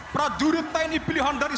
prajurit tni pilihan dari